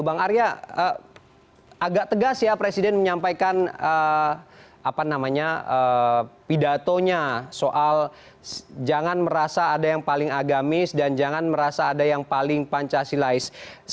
bang arya agak tegas ya presiden menyampaikan pidatonya soal jangan merasa ada yang paling agamis dan jangan merasa ada yang paling pancasilais